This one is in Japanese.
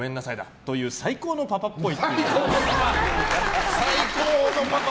こういう最高のパパっぽい。